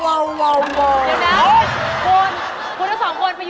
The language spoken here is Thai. คุณทั้งสองคนไปยืนเล่นฟันข้างนอกมา